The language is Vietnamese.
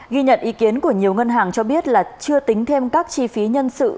ghi nhận ý kiến của nhiều ngân hàng cho biết là chưa tính thêm các chi phí nhân sự